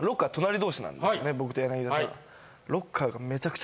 僕と柳田さん。